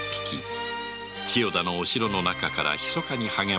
千代田のお城の中からひそかに励ます吉宗であった